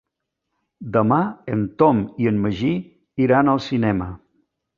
Demà en Tom i en Magí iran al cinema.